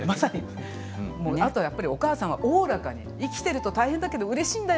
あとお母さんをおおらかに、生きていると大変だけれどもうれしいんだよ